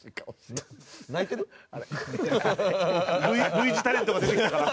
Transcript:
類似タレントが出てきたから。